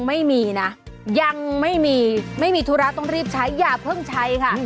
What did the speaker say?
ไม่มีนะยังไม่มีไม่มีธุระต้องรีบใช้อย่าเพิ่งใช้ค่ะ